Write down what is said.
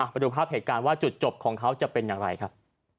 ไปดูภาพเหตุการณ์ว่าจุดจบของเขาจะเป็นอย่างไรครับ